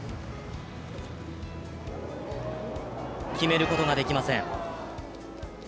決めることができません。